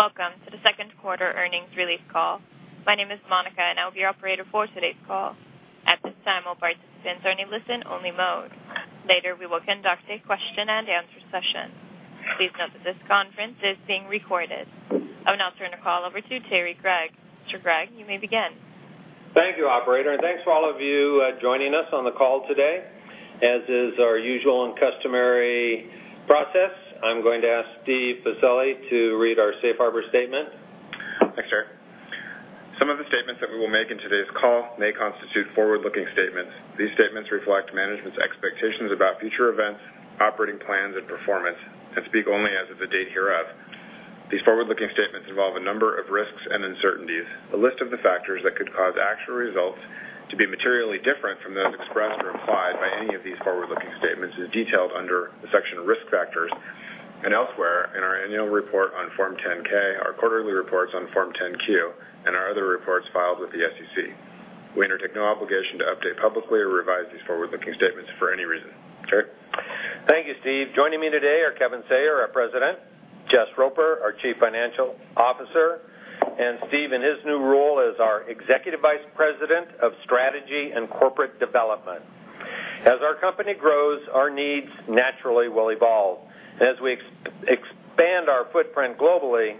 Welcome to the second quarter earnings release call. My name is Monica, and I'll be your operator for today's call. At this time, all participants are in listen-only mode. Later, we will conduct a question-and-answer session. Please note that this conference is being recorded. I will now turn the call over to Terry Gregg. Mr. Gregg, you may begin. Thank you, operator, and thanks to all of you, joining us on the call today. As is our usual and customary process, I'm going to ask Steven Pacelli to read our safe harbor statement. Thanks, Terry. Some of the statements that we will make in today's call may constitute forward-looking statements. These statements reflect management's expectations about future events, operating plans and performance and speak only as of the date hereof. These forward-looking statements involve a number of risks and uncertainties. A list of the factors that could cause actual results to be materially different from those expressed or implied by any of these forward-looking statements is detailed under the section Risk Factors and elsewhere in our annual report on Form 10-K, our quarterly reports on Form 10-Q, and our other reports filed with the SEC. We undertake no obligation to update publicly or revise these forward-looking statements for any reason. Terry. Thank you, Steve. Joining me today are Kevin Sayer, our President, Jess Roper, our Chief Financial Officer, and Steve in his new role as our Executive Vice President of Strategy and Corporate Development. As our company grows, our needs naturally will evolve. As we expand our footprint globally,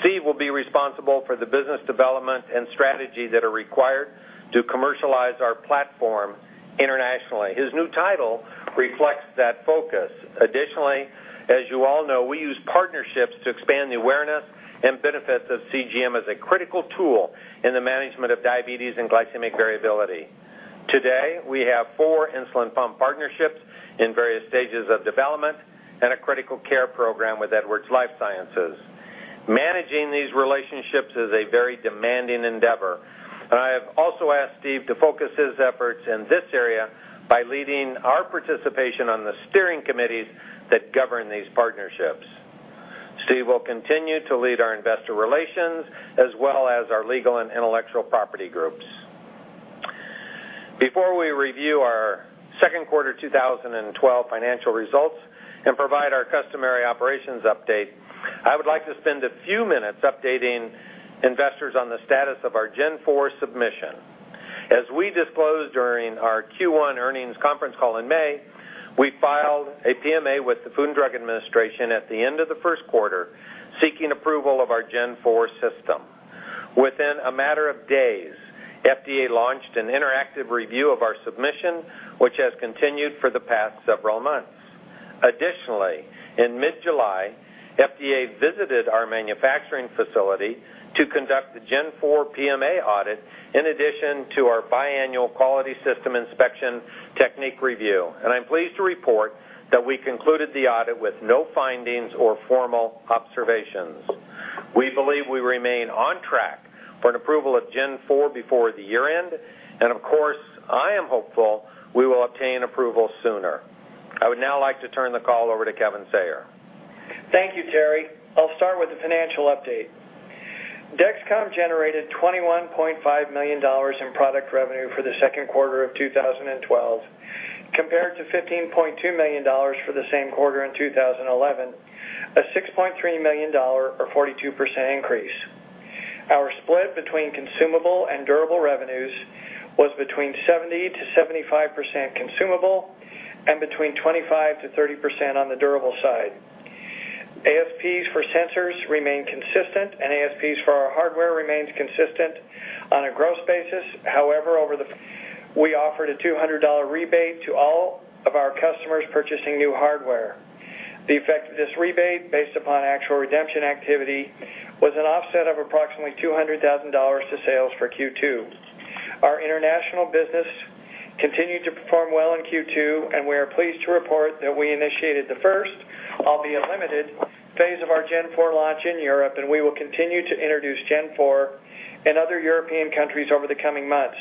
Steve will be responsible for the business development and strategy that are required to commercialize our platform internationally. His new title reflects that focus. Additionally, as you all know, we use partnerships to expand the awareness and benefits of CGM as a critical tool in the management of diabetes and glycemic variability. Today, we have four insulin pump partnerships in various stages of development and a critical care program with Edwards Lifesciences. Managing these relationships is a very demanding endeavor, and I have also asked Steve to focus his efforts in this area by leading our participation on the steering committees that govern these partnerships. Steve will continue to lead our investor relations as well as our legal and intellectual property groups. Before we review our second quarter 2012 financial results and provide our customary operations update, I would like to spend a few minutes updating investors on the status of our Gen4 submission. As we disclosed during our Q1 earnings conference call in May, we filed a PMA with the Food and Drug Administration at the end of the first quarter seeking approval of our Gen4 system. Within a matter of days, FDA launched an interactive review of our submission, which has continued for the past several months. Additionally, in mid-July, FDA visited our manufacturing facility to conduct the Gen4 PMA audit, in addition to our biannual quality system inspection technique review. I'm pleased to report that we concluded the audit with no findings or formal observations. We believe we remain on track for an approval of Gen4 before the year-end, and of course, I am hopeful we will obtain approval sooner. I would now like to turn the call over to Kevin Sayer. Thank you, Terry. I'll start with the financial update. Dexcom generated $21.5 million in product revenue for the second quarter of 2012, compared to $15.2 million for the same quarter in 2011, a $6.3 million or 42% increase. Our split between consumable and durable revenues was between 70%-75% consumable and between 25%-30% on the durable side. ASPs for sensors remain consistent, and ASPs for our hardware remains consistent on a gross basis. However, we offered a $200 rebate to all of our customers purchasing new hardware. The effect of this rebate, based upon actual redemption activity, was an offset of approximately $200,000 to sales for Q2. Our international business continued to perform well in Q2, and we are pleased to report that we initiated the first, albeit limited, phase of our Gen4 launch in Europe, and we will continue to introduce Gen4 in other European countries over the coming months.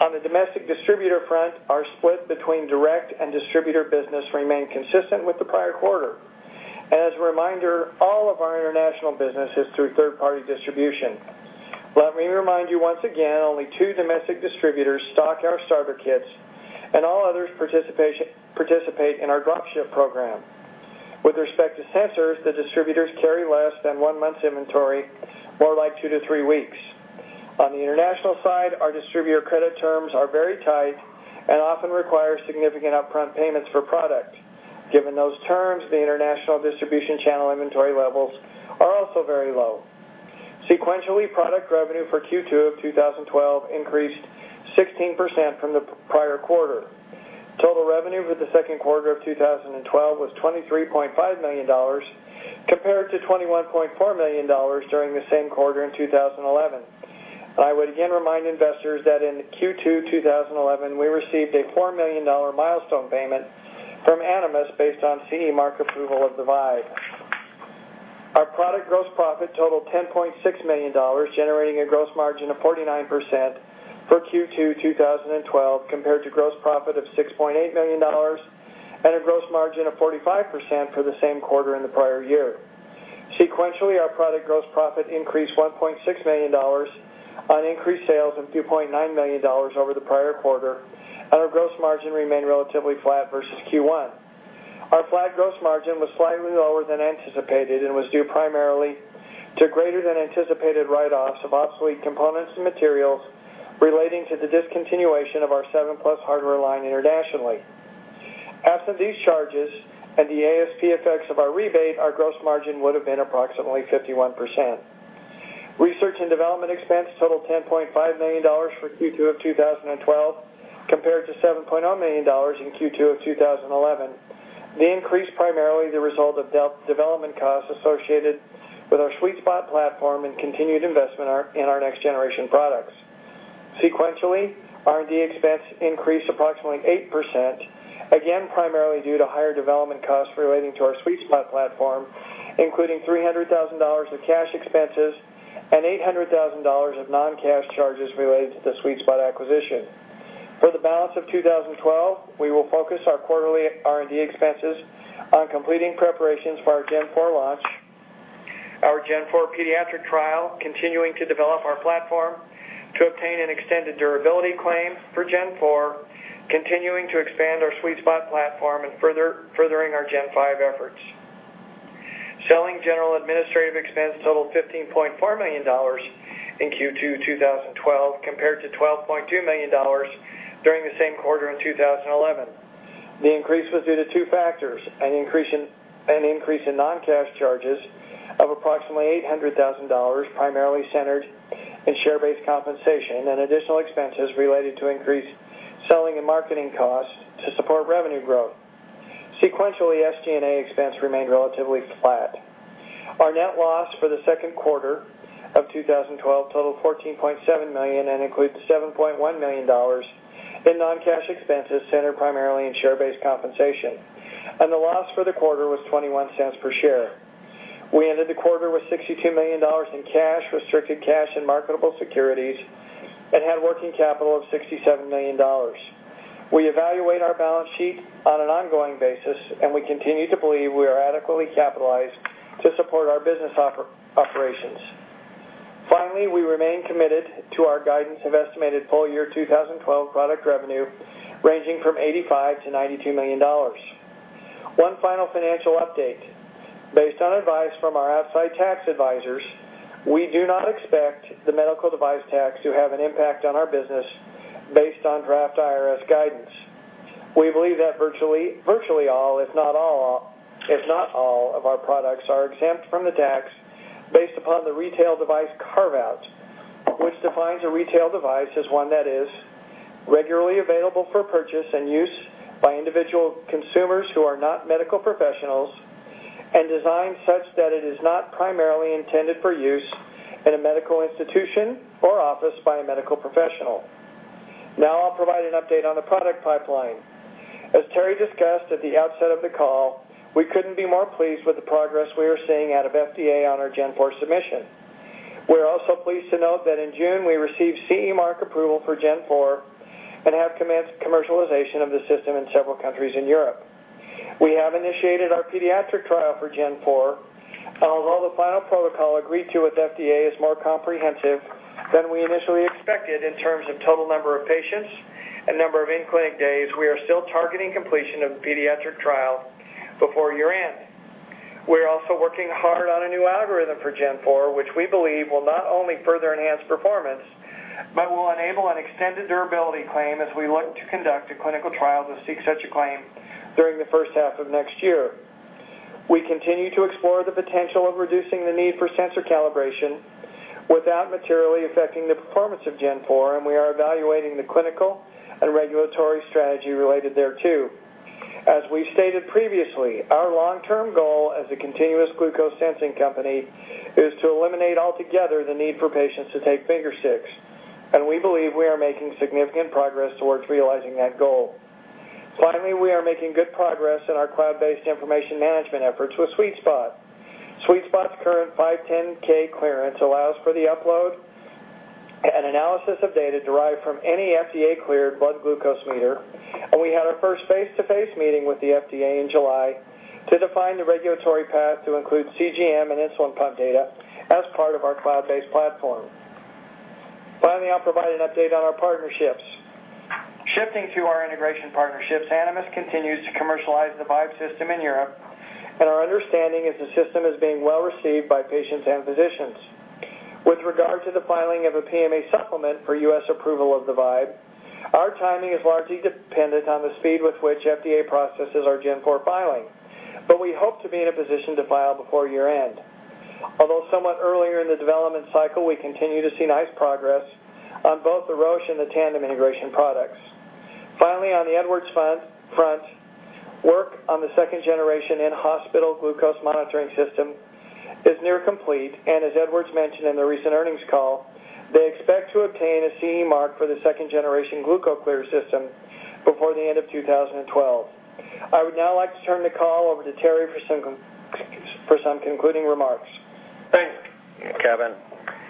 On the domestic distributor front, our split between direct and distributor business remained consistent with the prior quarter. As a reminder, all of our international business is through third-party distribution. Let me remind you once again, only two domestic distributors stock our starter kits, and all others participate in our drop ship program. With respect to sensors, the distributors carry less than one month's inventory, more like two to three weeks. On the international side, our distributor credit terms are very tight and often require significant upfront payments for product. Given those terms, the international distribution channel inventory levels are also very low. Sequentially, product revenue for Q2 of 2012 increased 16% from the prior quarter. Total revenue for the second quarter of 2012 was $23.5 million, compared to $21.4 million during the same quarter in 2011. I would again remind investors that in Q2 2011, we received a $4 million milestone payment from Animas based on CE Mark approval of the Vibe. Our product gross profit totaled $10.6 million, generating a gross margin of 49% for Q2 2012, compared to gross profit of $6.8 million and a gross margin of 45% for the same quarter in the prior year. Sequentially, our product gross profit increased $1.6 million on increased sales of $2.9 million over the prior quarter and our gross margin remained relatively flat versus Q1. Our Q2 gross margin was slightly lower than anticipated and was due primarily to greater than anticipated write-offs of obsolete components and materials relating to the discontinuation of our Seven Plus hardware line internationally. Absent these charges and the ASP effects of our rebate, our gross margin would have been approximately 51%. Research and development expense totaled $10.5 million for Q2 of 2012 compared to $7.0 million in Q2 of 2011. The increase primarily the result of development costs associated with our SweetSpot platform and continued investment in our next generation products. Sequentially, R&D expense increased approximately 8%, again, primarily due to higher development costs relating to our SweetSpot platform, including $300,000 of cash expenses and $800,000 of non-cash charges related to the SweetSpot acquisition. For the balance of 2012, we will focus our quarterly R&D expenses on completing preparations for our Gen4 launch, our Gen4 pediatric trial, continuing to develop our platform to obtain an extended durability claim for Gen4, continuing to expand our SweetSpot platform, and furthering our Gen5 efforts. Selling, general, and administrative expense totaled $15.4 million in Q2 2012 compared to $12.2 million during the same quarter in 2011. The increase was due to two factors, an increase in non-cash charges of approximately $800,000, primarily centered in share-based compensation and additional expenses related to increased selling and marketing costs to support revenue growth. Sequentially, SG&A expense remained relatively flat. Our net loss for the second quarter of 2012 totaled $14.7 million and includes $7.1 million in non-cash expenses centered primarily in share-based compensation. The loss for the quarter was $0.21 per share. We ended the quarter with $62 million in cash, restricted cash and marketable securities, and had working capital of $67 million. We evaluate our balance sheet on an ongoing basis, and we continue to believe we are adequately capitalized to support our business operations. Finally, we remain committed to our guidance of estimated full year 2012 product revenue ranging from $85 million-$92 million. One final financial update. Based on advice from our outside tax advisors, we do not expect the Medical Device Tax to have an impact on our business based on draft IRS guidance. We believe that virtually all, if not all of our products are exempt from the tax based upon the retail device carve-out, which defines a retail device as one that is regularly available for purchase and use by individual consumers who are not medical professionals and designed such that it is not primarily intended for use in a medical institution or office by a medical professional. Now I'll provide an update on the product pipeline. As Terry discussed at the outset of the call, we couldn't be more pleased with the progress we are seeing out of FDA on our Gen4 submission. We are also pleased to note that in June, we received CE Mark approval for Gen4 and have commenced commercialization of the system in several countries in Europe. We have initiated our pediatric trial for Gen4. Although the final protocol agreed to with FDA is more comprehensive than we initially expected in terms of total number of patients and number of in-clinic days, we are still targeting completion of pediatric trial before year-end. We are also working hard on a new algorithm for Gen4, which we believe will not only further enhance performance, but will enable an extended durability claim as we look to conduct a clinical trial to seek such a claim during the first half of next year. We continue to explore the potential of reducing the need for sensor calibration without materially affecting the performance of Gen4, and we are evaluating the clinical and regulatory strategy related thereto. As we've stated previously, our long-term goal as a continuous glucose sensing company is to eliminate altogether the need for patients to take finger sticks, and we believe we are making significant progress towards realizing that goal. Finally, we are making good progress in our cloud-based information management efforts with SweetSpot. SweetSpot's current 510(K) clearance allows for the upload and analysis of data derived from any FDA-cleared blood glucose meter. We had our first face-to-face meeting with the FDA in July to define the regulatory path to include CGM and insulin pump data as part of our cloud-based platform. Finally, I'll provide an update on our partnerships. Shifting to our integration partnerships, Animas continues to commercialize the Vibe system in Europe, and our understanding is the system is being well received by patients and physicians. With regard to the filing of a PMA supplement for U.S. approval of the Vibe, our timing is largely dependent on the speed with which FDA processes our Gen4 filing, but we hope to be in a position to file before year-end. Although somewhat earlier in the development cycle, we continue to see nice progress on both the Roche and the Tandem integration products. Finally, on the Edwards front, work on the second generation in-hospital glucose monitoring system is nearly complete, and as Edwards mentioned in the recent earnings call, they expect to obtain a CE Mark for the second generation GlucoClear system before the end of 2012. I would now like to turn the call over to Terry for some con... For some concluding remarks. Thank you, Kevin.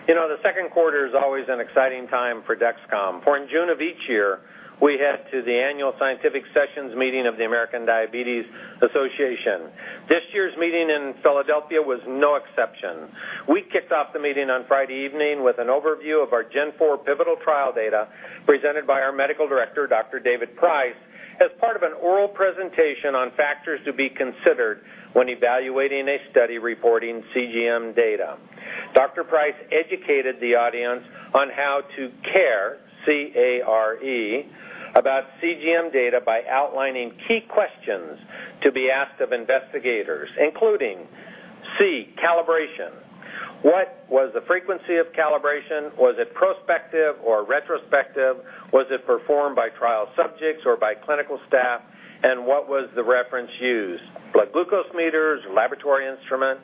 You know, the second quarter is always an exciting time for Dexcom, for in June of each year, we head to the annual scientific sessions meeting of the American Diabetes Association. This year's meeting in Philadelphia was no exception. We kicked off the meeting on Friday evening with an overview of our Gen4 pivotal trial data presented by our medical director, Dr. David Price, as part of an oral presentation on factors to be considered when evaluating a study reporting CGM data. Dr. Price educated the audience on how to care, C-A-R-E, about CGM data by outlining key questions to be asked of investigators, including C, calibration. What was the frequency of calibration? Was it prospective or retrospective? Was it performed by trial subjects or by clinical staff? And what was the reference used? Blood glucose meters, laboratory instrument?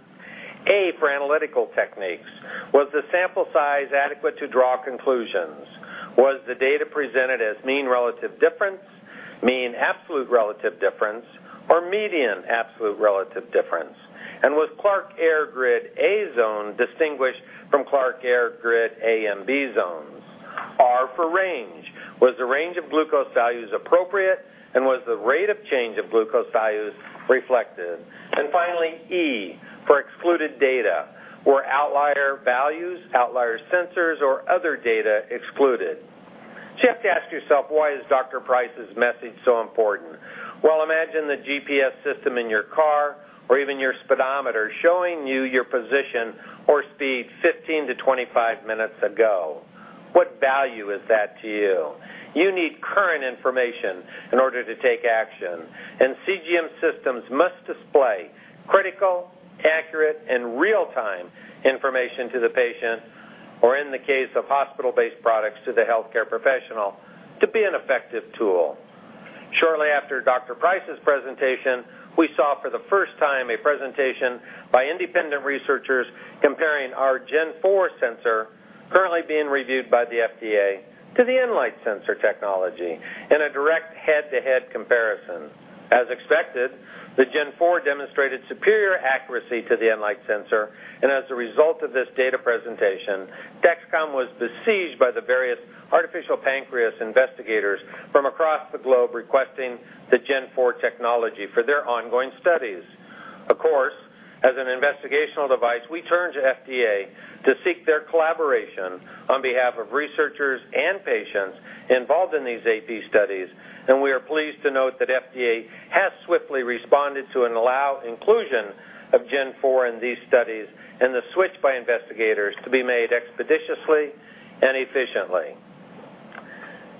A, for analytical techniques. Was the sample size adequate to draw conclusions? Was the data presented as mean relative difference, mean absolute relative difference, or median absolute relative difference? Was Clarke Error Grid A zone distinguished from Clarke Error Grid A and B zones? R, for range. Was the range of glucose values appropriate, and was the rate of change of glucose values reflected? Finally, E, for excluded data. Were outlier values, outlier sensors, or other data excluded? You have to ask yourself, why is Dr. Price's message so important? Well, imagine the GPS system in your car or even your speedometer showing you your position or speed 15-25 minutes ago. What value is that to you? You need current information in order to take action, and CGM systems must display critical, accurate, and real-time information to the patient, or in the case of hospital-based products, to the healthcare professional to be an effective tool. Shortly after Dr. Price's presentation, we saw for the first time a presentation by independent researchers comparing our Gen4 sensor currently being reviewed by the FDA to the Enlite sensor technology in a direct head-to-head comparison. As expected, the Gen4 demonstrated superior accuracy to the Enlite sensor, and as a result of this data presentation, Dexcom was besieged by the various artificial pancreas investigators from across the globe requesting the Gen4 technology for their ongoing studies. Of course, as an investigational device, we turn to FDA to seek their collaboration on behalf of researchers and patients involved in these AP studies, and we are pleased to note that FDA has swiftly responded to and allow inclusion of Gen4 in these studies and the switch by investigators to be made expeditiously and efficiently.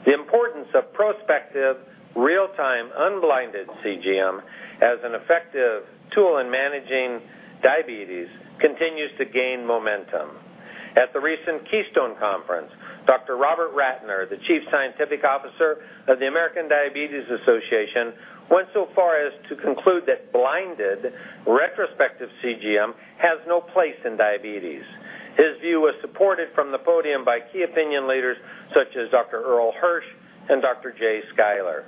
The importance of prospective real-time unblinded CGM as an effective tool in managing diabetes continues to gain momentum. At the recent Keystone Conference, Dr. Robert Ratner, the Chief Scientific Officer of the American Diabetes Association, went so far as to conclude that blinded retrospective CGM has no place in diabetes. His view was supported from the podium by key opinion leaders such as Dr. Irl Hirsch and Dr. Jay Skyler.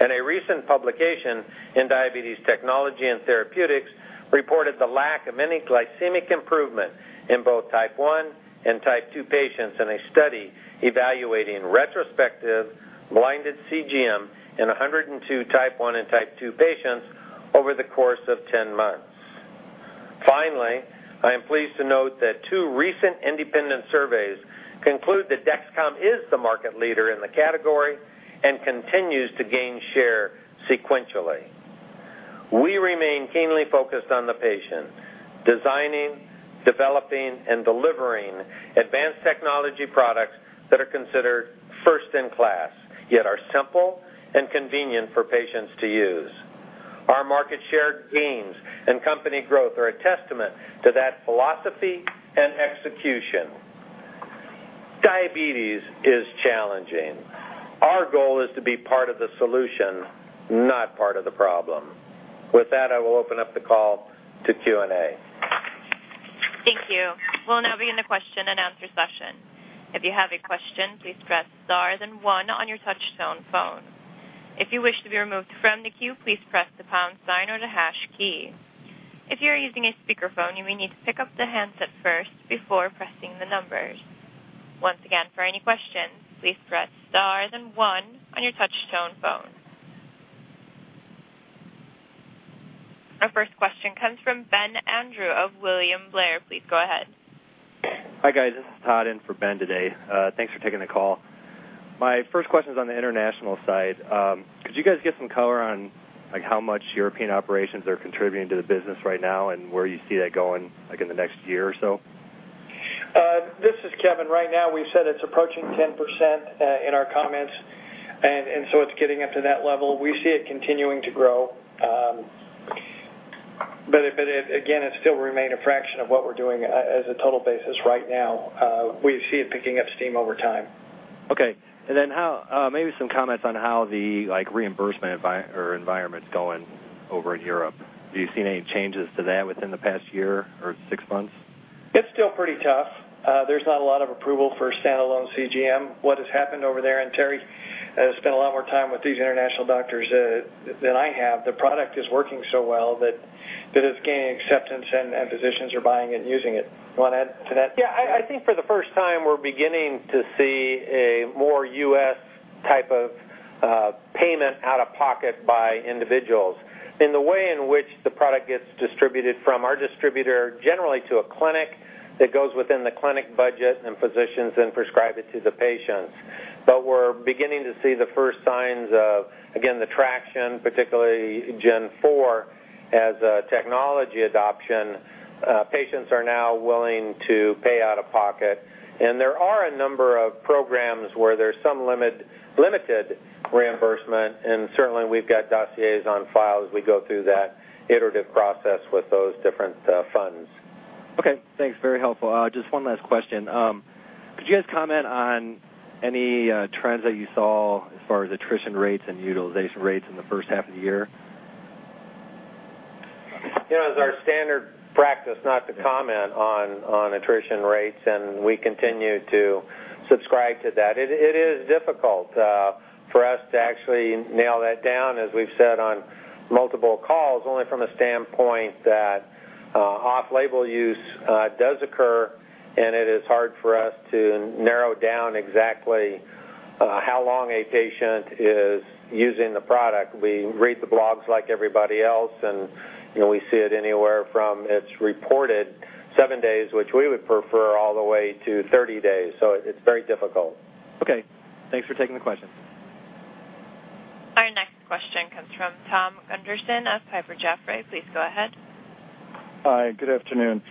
In a recent publication in Diabetes Technology & Therapeutics, reported the lack of any glycemic improvement in both type 1 and type 2 patients in a study evaluating retrospective blinded CGM in 102 type 1 and type 2 patients over the course of 10 months. Finally, I am pleased to note that two recent independent surveys conclude that Dexcom is the market leader in the category and continues to gain share sequentially. We remain keenly focused on the patient, designing, developing, and delivering advanced technology products that are considered first in class, yet are simple and convenient for patients to use. Our market share gains and company growth are a testament to that philosophy and execution. Diabetes is challenging. Our goal is to be part of the solution, not part of the problem. With that, I will open up the call to Q&A. Thank you. We'll now be in the question and answer session. If you have a question, please press star then one on your touch tone phone. If you wish to be removed from the queue, please press the pound sign or the hash key. If you are using a speakerphone, you may need to pick up the handset first before pressing the numbers. Once again, for any questions, please press star then one on your touch tone phone. Our first question comes from Ben Andrew of William Blair. Please go ahead. Hi, guys. This is Todd in for Ben today. Thanks for taking the call. My first question is on the international side. Could you guys give some color on, like, how much European operations are contributing to the business right now and where you see that going, like, in the next year or so? This is Kevin. Right now, we said it's approaching 10%, in our comments, and so it's getting up to that level. We see it continuing to grow, but if it is, again, it still remain a fraction of what we're doing, as a total basis right now. We see it picking up steam over time. Okay. Maybe some comments on how the, like, reimbursement environment's going over in Europe. Have you seen any changes to that within the past year or six months? It's still pretty tough. There's not a lot of approval for standalone CGM. What has happened over there, and Terry has spent a lot more time with these international doctors than I have. The product is working so well that it is gaining acceptance and physicians are buying it and using it. You wanna add to that? Yeah. I think for the first time, we're beginning to see a more U.S. type of payment out of pocket by individuals. In the way in which the product gets distributed from our distributor, generally to a clinic, that goes within the clinic budget and physicians then prescribe it to the patients. But we're beginning to see the first signs of, again, the traction, particularly Gen4, as a technology adoption. Patients are now willing to pay out of pocket. There are a number of programs where there's some limited reimbursement, and certainly we've got dossiers on file as we go through that iterative process with those different funds. Okay, thanks. Very helpful. Just one last question. Could you guys comment on any trends that you saw as far as attrition rates and utilization rates in the first half of the year? You know, it's our standard practice not to comment on attrition rates, and we continue to subscribe to that. It is difficult for us to actually nail that down, as we've said on multiple calls, only from a standpoint that off-label use does occur, and it is hard for us to narrow down exactly how long a patient is using the product. We read the blogs like everybody else, and you know, we see it anywhere from it's reported seven days, which we would prefer, all the way to thirty days. It's very difficult. Okay. Thanks for taking the question. Our next question comes from Tom Gunderson of Piper Jaffray. Please go ahead. Hi, good afternoon.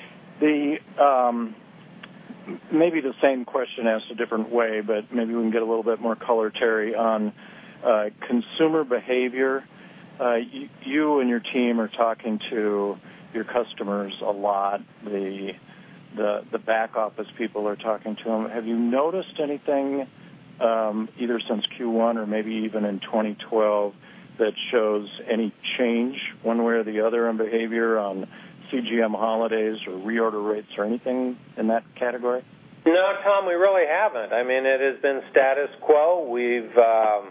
Maybe the same question asked a different way, but maybe we can get a little bit more color, Terry, on consumer behavior. You and your team are talking to your customers a lot. The back office people are talking to them. Have you noticed anything, either since Q1 or maybe even in 2012 that shows any change one way or the other on behavior on CGM holidays or reorder rates or anything in that category? No, Tom, we really haven't. I mean, it has been status quo. We've, you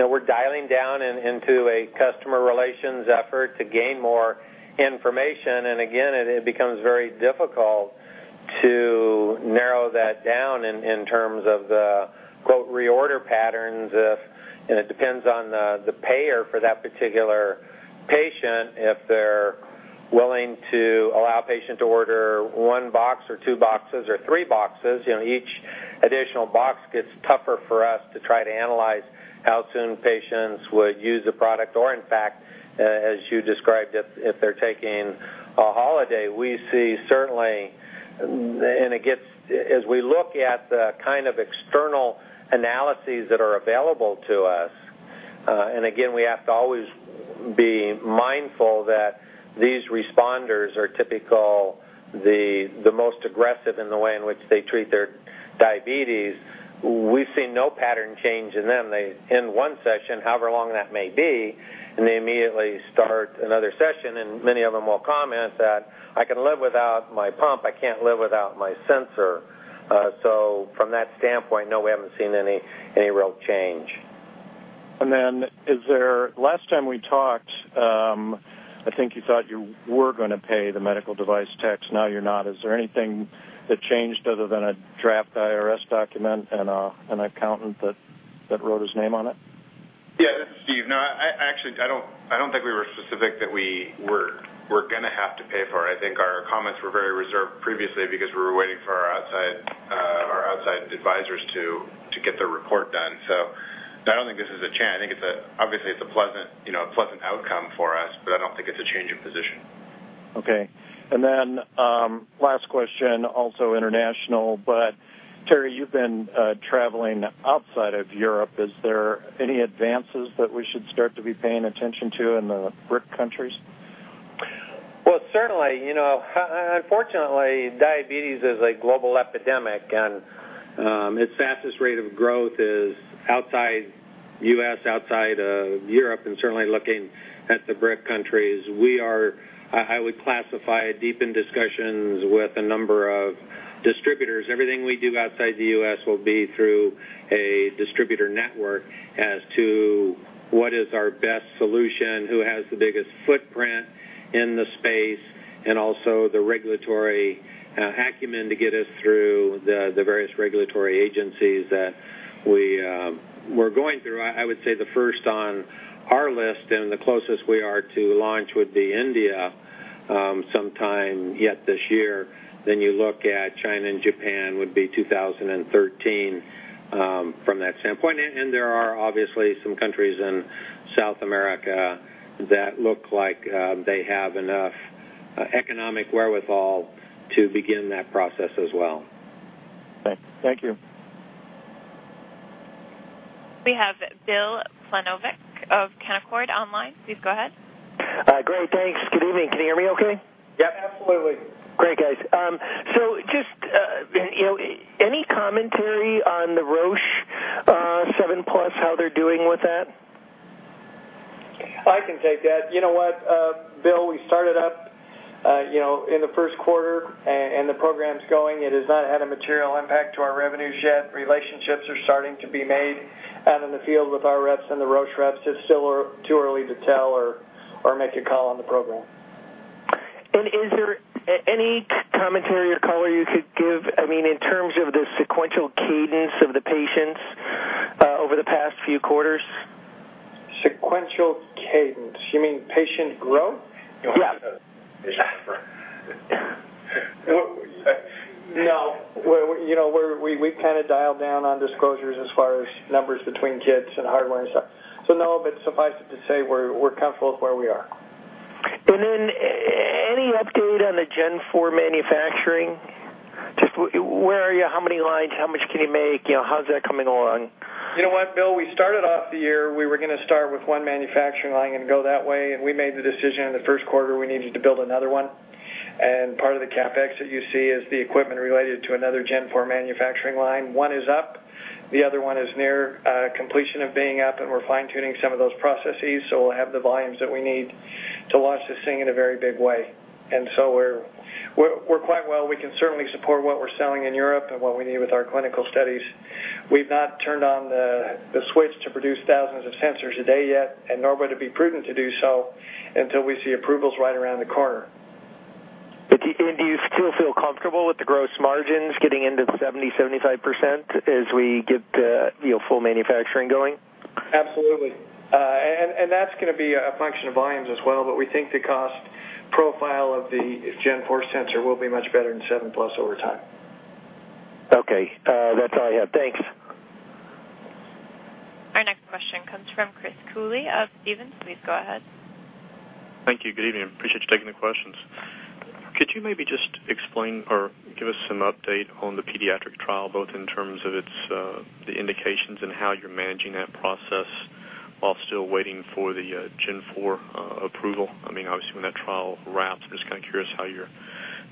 know, we're drilling down into a customer relations effort to gain more information. Again, it becomes very difficult to narrow that down in terms of the quota reorder patterns, and it depends on the payer for that particular patient, if they're willing to allow a patient to order one box or two boxes or three boxes. You know, each additional box gets tougher for us to try to analyze how soon patients would use a product or in fact, as you described, if they're taking a holiday. We see certainly. As we look at the kind of external analyses that are available to us, and again, we have to always be mindful that these responders are typical, the most aggressive in the way in which they treat their diabetes. We've seen no pattern change in them. They end one session, however long that may be, and they immediately start another session, and many of them will comment that, "I can live without my pump. I can't live without my sensor." From that standpoint, no, we haven't seen any real change. Last time we talked, I think you thought you were gonna pay the Medical Device Tax. Now you're not. Is there anything that changed other than a draft IRS document and an accountant that wrote his name on it? Yeah. This is Steve. No, I actually don't think we were specific that we were gonna have to pay for it. I think our comments were very reserved previously because we were waiting for our outside advisors to get their report done. I think it's obviously a pleasant, you know, outcome for us, but I don't think it's a change in position. Okay. Last question, also international, but Terry, you've been traveling outside of Europe. Is there any advances that we should start to be paying attention to in the BRIC countries? Well, certainly, you know, unfortunately, diabetes is a global epidemic, and its fastest rate of growth is outside U.S., outside of Europe, and certainly looking at the BRIC countries. We are, I would classify deep in discussions with a number of distributors. Everything we do outside the U.S. will be through a distributor network as to what is our best solution, who has the biggest footprint in the space, and also the regulatory acumen to get us through the various regulatory agencies that we're going through. I would say the first on our list and the closest we are to launch would be India sometime yet this year. Then you look at China and Japan would be 2013 from that standpoint. There are obviously some countries in South America that look like they have enough economic wherewithal to begin that process as well. Thank you. We have Bill Plovanic of Canaccord, online. Please go ahead. Great. Thanks. Good evening. Can you hear me okay? Yep. Absolutely. Great, guys. Just you know, any commentary on the Roche Seven Plus, how they're doing with that? I can take that. You know what, Bill, we started up, you know, in the first quarter and the program's going. It has not had a material impact to our revenues yet. Relationships are starting to be made out in the field with our reps and the Roche reps. It's still too early to tell or make a call on the program. Is there any commentary or color you could give, I mean, in terms of the sequential cadence of the patients, over the past few quarters? Sequential cadence. You mean patient growth? Yeah. No. Well, you know, we've kind of dialed down on disclosures as far as numbers between kits and hardware and stuff. No, but suffice it to say we're comfortable with where we are. Any update on the Gen4 manufacturing? Just where are you? How many lines, how much can you make, you know, how's that coming along? You know what, Bill, we started off the year, we were gonna start with one manufacturing line and go that way. We made the decision in the first quarter we needed to build another one. Part of the CapEx that you see is the equipment related to another Gen4 manufacturing line. One is up, the other one is near completion of being up, and we're fine-tuning some of those processes, so we'll have the volumes that we need to launch this thing in a very big way. We're quite well. We can certainly support what we're selling in Europe and what we need with our clinical studies. We've not turned on the switch to produce thousands of sensors a day yet, and nor would it be prudent to do so until we see approvals right around the corner. Do you still feel comfortable with the gross margins getting into 70%-75% as we get, you know, full manufacturing going? Absolutely. That's gonna be a function of volumes as well, but we think the cost profile of the Gen4 sensor will be much better than Seven Plus over time. Okay. That's all I have. Thanks. Our next question comes from Chris Cooley of Stephens. Please go ahead. Thank you. Good evening. Appreciate you taking the questions. Could you maybe just explain or give us some update on the pediatric trial, both in terms of its indications and how you're managing that process while still waiting for the Gen4 approval? I mean, obviously, when that trial wraps, I'm just kind of curious how you're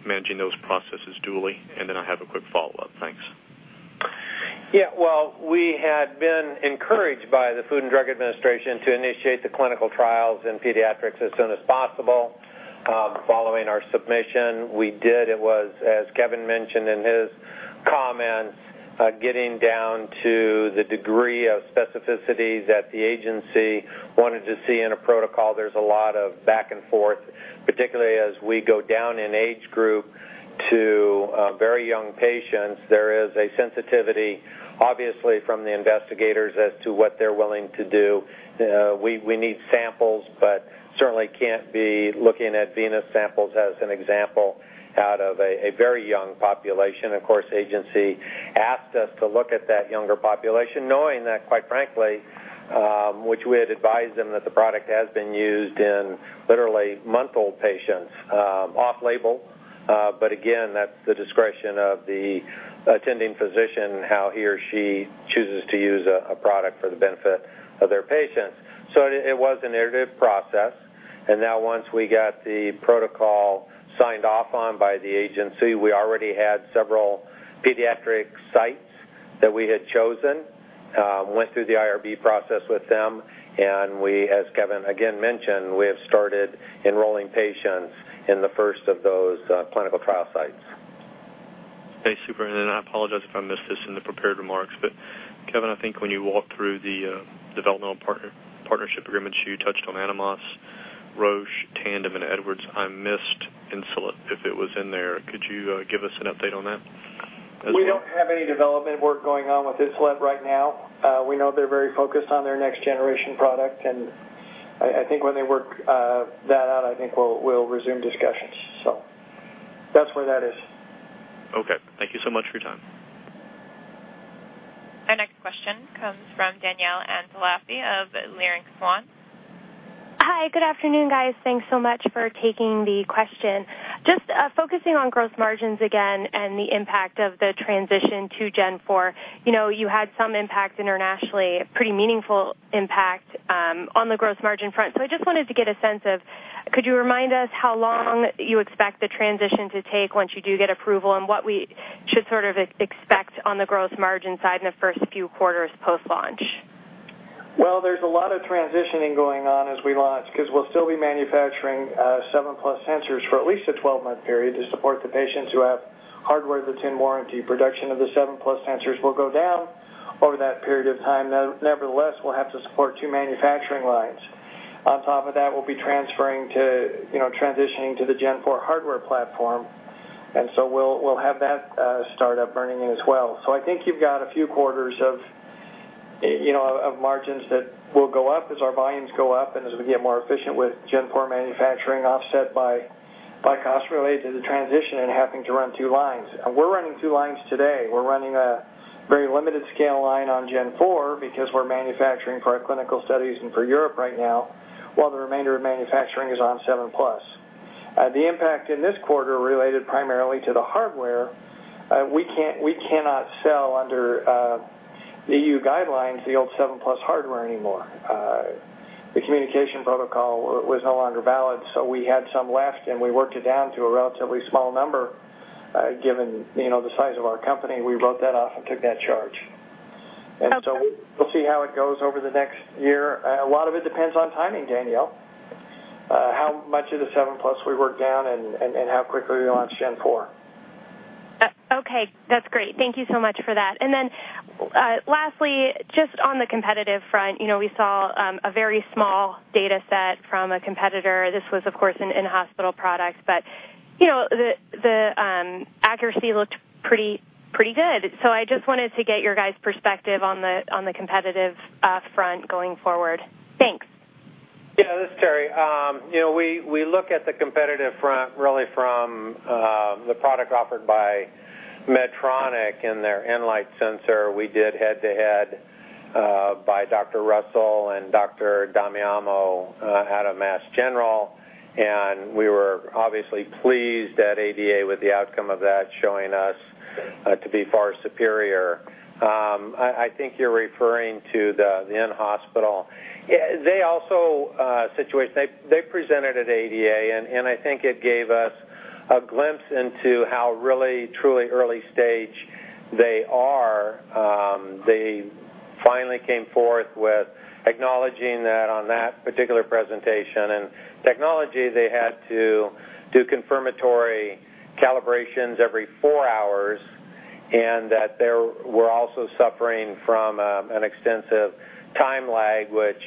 managing those processes dually. I have a quick follow-up. Thanks. Yeah. Well, we had been encouraged by the Food and Drug Administration to initiate the clinical trials in pediatrics as soon as possible, following our submission. We did. It was, as Kevin mentioned in his comments, getting down to the degree of specificity that the agency wanted to see in a protocol. There's a lot of back and forth, particularly as we go down in age group to very young patients. There is a sensitivity, obviously, from the investigators as to what they're willing to do. We need samples, but certainly can't be looking at venous samples as an example out of a very young population. Of course, agency asked us to look at that younger population, knowing that, quite frankly, which we had advised them that the product has been used in literally month-old patients, off-label. Again, that's the discretion of the attending physician, how he or she chooses to use a product for the benefit of their patients. It was an iterative process. Now once we got the protocol signed off on by the agency, we already had several pediatric sites that we had chosen, went through the IRB process with them. As Kevin again mentioned, we have started enrolling patients in the first of those clinical trial sites. Okay, super. I apologize if I missed this in the prepared remarks, but Kevin, I think when you walked through the developmental partnership agreements, you touched on Animas, Roche, Tandem, and Edwards. I missed Insulet if it was in there. Could you give us an update on that as well? We don't have any development work going on with Insulet right now. We know they're very focused on their next generation product, and I think when they work that out, I think we'll resume discussions. That's where that is. Okay. Thank you so much for your time. Our next question comes from Danielle Antalffy of Leerink Swann. Hi. Good afternoon, guys. Thanks so much for taking the question. Just focusing on gross margins again and the impact of the transition to Gen4. You know, you had some impact internationally, a pretty meaningful impact on the gross margin front. I just wanted to get a sense of, could you remind us how long you expect the transition to take once you do get approval, and what we should sort of expect on the gross margin side in the first few quarters post-launch? Well, there's a lot of transitioning going on as we launch 'cause we'll still be manufacturing Seven Plus sensors for at least a 12-month period to support the patients who have hardware that's in warranty. Production of the Seven Plus sensors will go down over that period of time. Nevertheless, we'll have to support two manufacturing lines. On top of that, we'll be transferring to, you know, transitioning to the Gen4 hardware platform. We'll have that start up burning in as well. I think you've got a few quarters of margins that will go up as our volumes go up and as we get more efficient with Gen4 manufacturing offset by costs related to the transition and having to run two lines. We're running two lines today. We're running a very limited scale line on Gen4 because we're manufacturing for our clinical studies and for Europe right now, while the remainder of manufacturing is on Seven Plus. The impact in this quarter related primarily to the hardware. We cannot sell under EU guidelines the old Seven Plus hardware anymore. The communication protocol was no longer valid, so we had some left, and we worked it down to a relatively small number, given, you know, the size of our company. We wrote that off and took that charge. We'll see how it goes over the next year. A lot of it depends on timing, Danielle. How much of the Seven Plus we work down and how quickly we launch Gen4. Okay, that's great. Thank you so much for that. Then, lastly, just on the competitive front, you know, we saw a very small data set from a competitor. This was, of course, an in-hospital product, but you know, the accuracy looked pretty good. I just wanted to get your guys' perspective on the competitive front going forward. Thanks. Yeah, this is Terry. You know, we look at the competitive front really from the product offered by Medtronic in their Enlite sensor. We did head-to-head by Dr. Russell and Dr. Damiano out of Mass General, and we were obviously pleased at ADA with the outcome of that, showing us to be far superior. I think you're referring to the in-hospital. They also presented at ADA, and I think it gave us a glimpse into how really truly early stage they are. They finally came forth with acknowledging that on that particular presentation and technology, they had to do confirmatory calibrations every four hours and that they were also suffering from an extensive time lag, which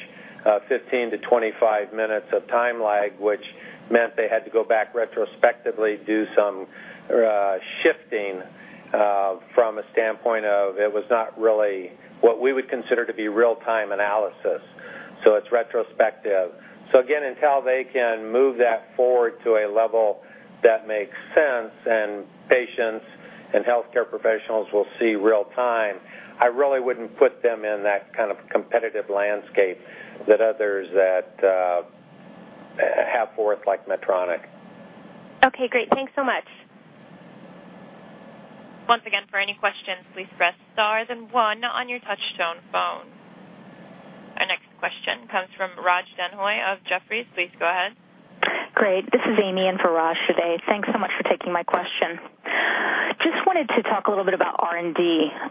15-25 minutes of time lag, which meant they had to go back retrospectively, do some shifting from a standpoint of it was not really what we would consider to be real time analysis. It's retrospective. Again, until they can move that forward to a level that makes sense and patients and healthcare professionals will see real time, I really wouldn't put them in that kind of competitive landscape that others that have put forth like Medtronic. Okay, great. Thanks so much. Once again, for any questions, please press star then one on your touchtone phone. Our next question comes from Raj Denhoy of Jefferies. Please go ahead. Great. This is Amy in for Raj today. Thanks so much for taking my question. Just wanted to talk a little bit about R&D.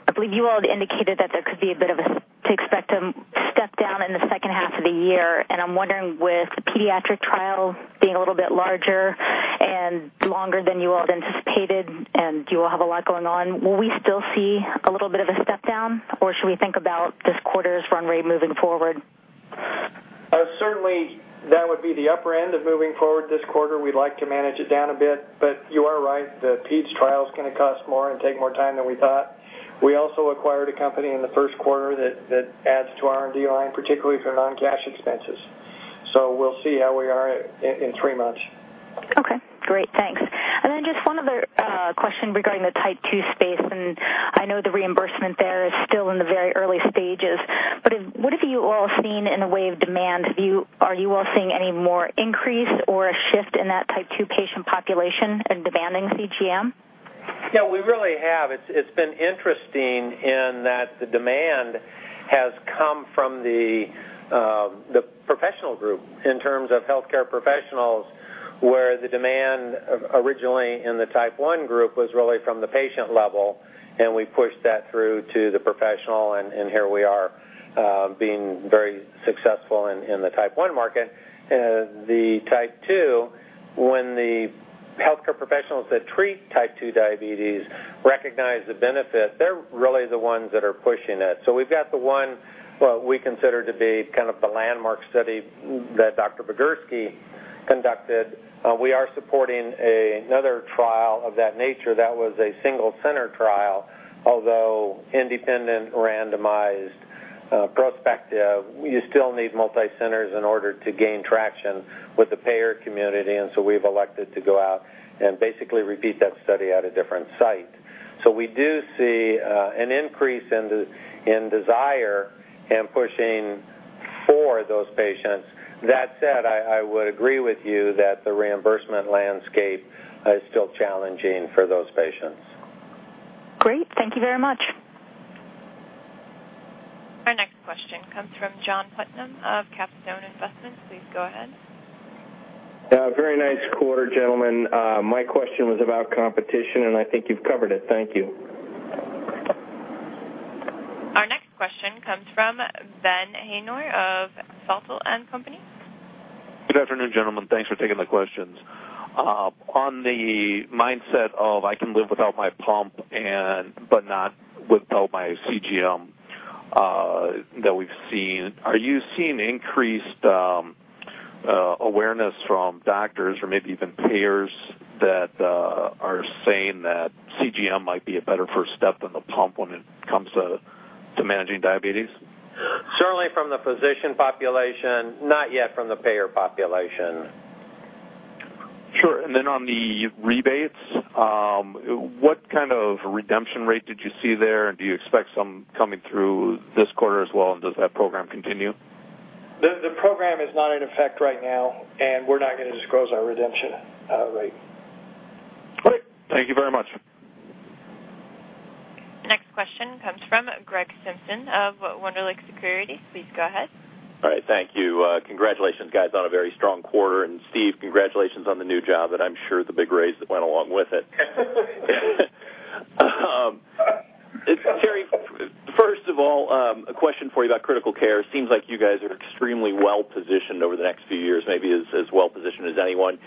I believe you all had indicated that there could be a bit of a step down to expect in the second half of the year. I'm wondering with pediatric trial being a little bit larger and longer than you all had anticipated, and you all have a lot going on, will we still see a little bit of a step down, or should we think about this quarter's run rate moving forward? Certainly that would be the upper end of moving forward this quarter. We'd like to manage it down a bit, but you are right, the peds trial is gonna cost more and take more time than we thought. We also acquired a company in the first quarter that adds to R&D line, particularly for non-cash expenses. We'll see how we are in three months. Okay, great. Thanks. Then just one other question regarding the type 2 space, and I know the reimbursement there is still in the very early stages, but what have you all seen in the way of demand? Are you all seeing any more increase or a shift in that type 2 patient population in demanding CGM? Yeah, we really have. It's been interesting in that the demand has come from the professional group in terms of healthcare professionals, where the demand originally in the type 1 group was really from the patient level, and we pushed that through to the professional, and here we are being very successful in the type 1 market. The type 2, when the healthcare professionals that treat type 2 diabetes recognize the benefit, they're really the ones that are pushing it. We've got the one, well, we consider to be kind of the landmark study that Dr. Vigersky conducted. We are supporting another trial of that nature. That was a single-center trial. Although independent, randomized, prospective, you still need multi-centers in order to gain traction with the payer community. We've elected to go out and basically repeat that study at a different site. We do see an increase in desire in pushing for those patients. That said, I would agree with you that the reimbursement landscape is still challenging for those patients. Great. Thank you very much. Our next question comes from John Putnam of Capstone Investment. Please go ahead. Yeah, very nice quarter, gentlemen. My question was about competition, and I think you've covered it. Thank you. Our next question comes from Ben Haynor of Feltl and Company. Good afternoon, gentlemen. Thanks for taking the questions. On the mindset of I can live without my pump but not without my CGM, that we've seen, are you seeing increased awareness from doctors or maybe even payers that are saying that CGM might be a better first step than the pump when it comes to managing diabetes? Certainly from the physician population, not yet from the payer population. Sure. Then on the rebates, what kind of redemption rate did you see there? Do you expect some coming through this quarter as well? Does that program continue? The program is not in effect right now, and we're not gonna disclose our redemption rate. Great. Thank you very much. Next question comes from Gregory Simpson of Wunderlich Securities. Please go ahead. I thank you. Congratulations guys on a very strong quarter, and Steve, congratulations on the new job, and I'm sure the big raise that went along with it. Terry, first of all, a question for you about critical care. Seems like you guys are extremely well-positioned over the next few years, maybe as well-positioned as anyone.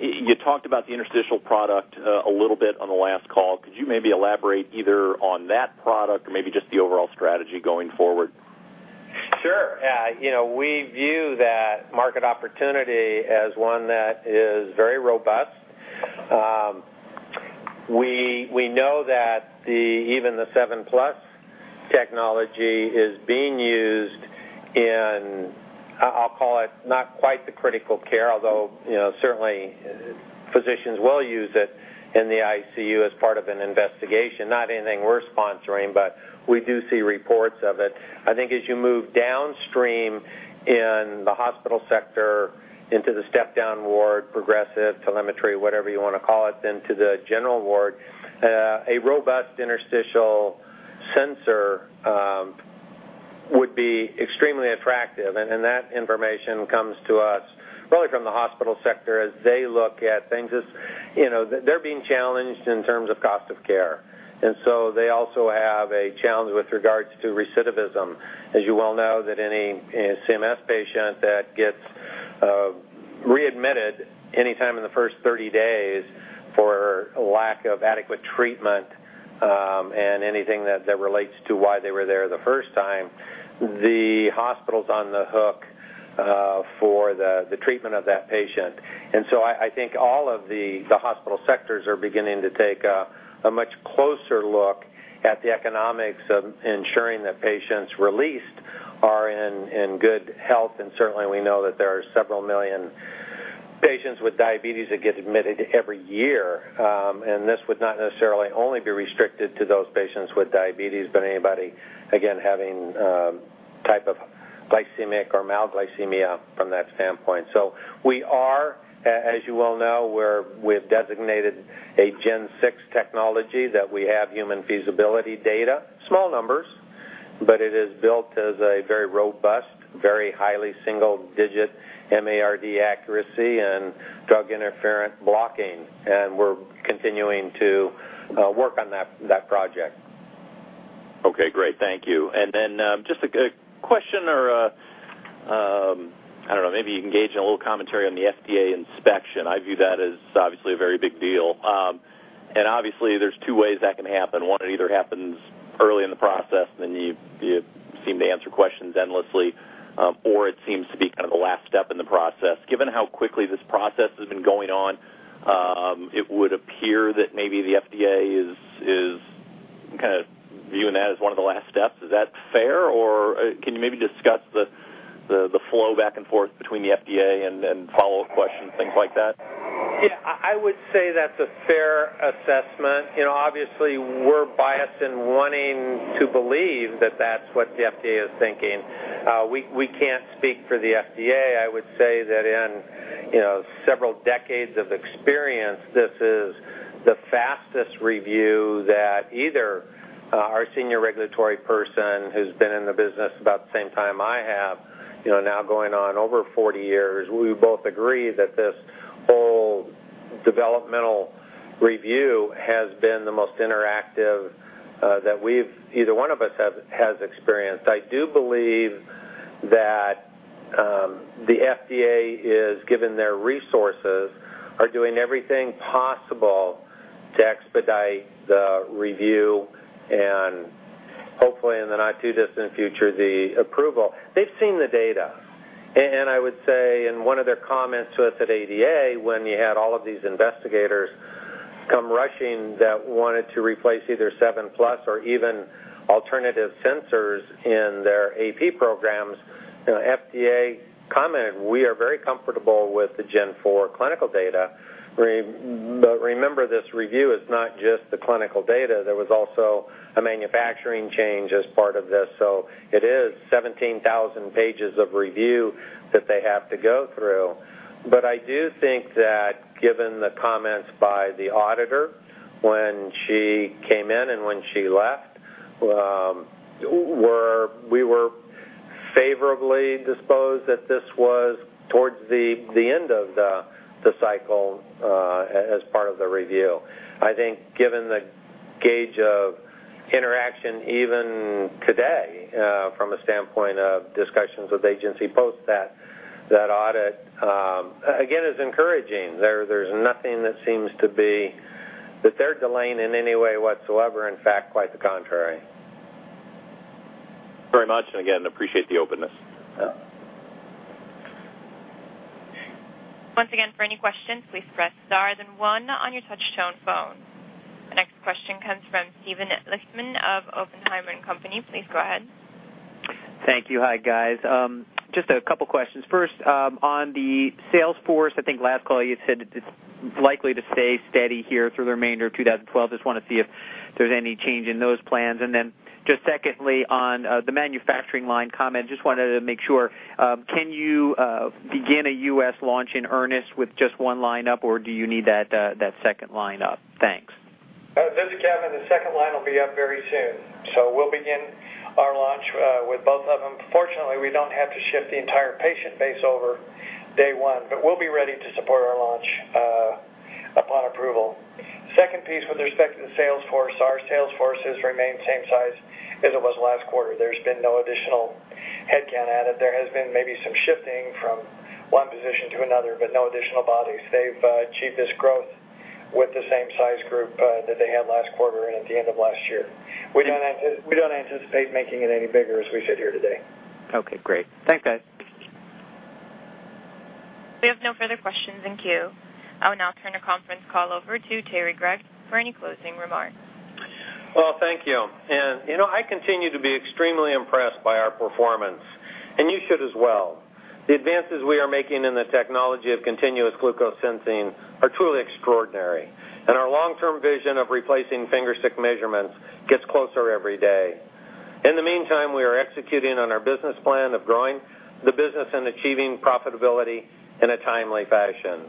You talked about the interstitial product a little bit on the last call. Could you maybe elaborate either on that product or maybe just the overall strategy going forward? Sure. You know, we view that market opportunity as one that is very robust. We know that even the Seven Plus technology is being used in, I'll call it, not quite the critical care, although, you know, certainly physicians will use it in the ICU as part of an investigation. Not anything we're sponsoring, but we do see reports of it. I think as you move downstream in the hospital sector into the step-down ward, progressive telemetry, whatever you wanna call it, then to the general ward, a robust interstitial sensor would be extremely attractive. That information comes to us really from the hospital sector as they look at things. It's, you know, they're being challenged in terms of cost of care, and so they also have a challenge with regards to recidivism. As you well know, that any CMS patient that gets readmitted anytime in the first 30 days for lack of adequate treatment, and anything that relates to why they were there the first time, the hospital's on the hook for the treatment of that patient. I think all of the hospital sectors are beginning to take a much closer look at the economics of ensuring that patients released are in good health. Certainly we know that there are several million patients with diabetes that get admitted every year. This would not necessarily only be restricted to those patients with diabetes, but anybody, again, having type of glycemic or hypoglycemia from that standpoint. We are, as you well know, we've designated a Gen6 technology that we have human feasibility data. Small numbers, but it is built as a very robust, very highly single-digit MARD accuracy and drug interference blocking, and we're continuing to work on that project. Okay, great. Thank you. Then, just a question, I don't know, maybe you can weigh in with a little commentary on the FDA inspection. I view that as obviously a very big deal. Obviously there's two ways that can happen. One, it either happens early in the process, then you seem to answer questions endlessly, or it seems to be kind of the last step in the process. Given how quickly this process has been going on, it would appear that maybe the FDA is kind of viewing that as one of the last steps. Is that fair? Or, can you maybe discuss the flow back and forth between the FDA and then follow-up questions, things like that? Yeah. I would say that's a fair assessment. You know, obviously we're biased in wanting to believe that that's what the FDA is thinking. We can't speak for the FDA. I would say that in you know, several decades of experience, this is the fastest review that either our senior regulatory person who's been in the business about the same time I have, you know, now going on over 40 years, we both agree that this whole developmental review has been the most interactive that either one of us has experienced. I do believe that the FDA, given their resources, are doing everything possible to expedite the review and hopefully in the not too distant future, the approval. They've seen the data. I would say in one of their comments to us at ADA, when you had all of these investigators come rushing that wanted to replace either Seven Plus or even alternative sensors in their AP programs, you know, FDA commented, "We are very comfortable with the Gen4 clinical data." Remember, this review is not just the clinical data. There was also a manufacturing change as part of this, so it is 17,000 pages of review that they have to go through. I do think that given the comments by the auditor when she came in and when she left, we were favorably disposed that this was towards the end of the cycle as part of the review. I think given the gauge of interaction even today, from a standpoint of discussions with agency about that audit again is encouraging. There's nothing that seems to be that they're delaying in any way whatsoever, in fact, quite the contrary. Very much, and again, appreciate the openness. Yeah. Once again, for any questions, please press star then one on your touch tone phone. The next question comes from Steven Lichtman of Oppenheimer & Co. Please go ahead. Thank you. Hi, guys. Just a couple questions. First, on the sales force, I think last call you had said it's likely to stay steady here through the remainder of 2012. Just wanna see if there's any change in those plans. Then just secondly, on the manufacturing line comment, just wanted to make sure, can you begin a U.S. launch in earnest with just one line or do you need that second line? Thanks. This is Kevin. The second line will be up very soon. We'll begin our launch with both of them. Fortunately, we don't have to shift the entire patient base over day one, but we'll be ready to support our launch upon approval. Second piece with respect to the sales force, our sales force has remained same size as it was last quarter. There's been no additional headcount added. There has been maybe some shifting from one position to another, but no additional bodies. They've achieved this growth with the same size group that they had last quarter and at the end of last year. We don't anticipate making it any bigger as we sit here today. Okay, great. Thanks, guys. We have no further questions in queue. I will now turn the conference call over to Terry Gregg for any closing remarks. Well, thank you. You know, I continue to be extremely impressed by our performance, and you should as well. The advances we are making in the technology of continuous glucose sensing are truly extraordinary, and our long-term vision of replacing finger stick measurements gets closer every day. In the meantime, we are executing on our business plan of growing the business and achieving profitability in a timely fashion.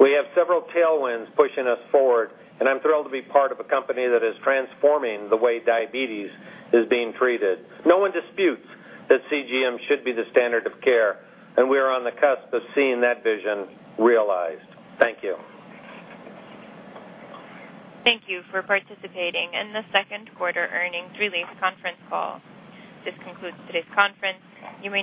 We have several tailwinds pushing us forward, and I'm thrilled to be part of a company that is transforming the way diabetes is being treated. No one disputes that CGM should be the standard of care, and we are on the cusp of seeing that vision realized. Thank you. Thank you for participating in the second quarter earnings release conference call. This concludes today's conference. You may-